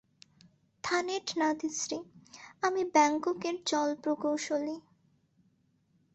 থানেট নাতিস্রি, আমি ব্যাংককের জল প্রকৌশলি।